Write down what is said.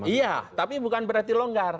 iya tapi bukan berarti longgar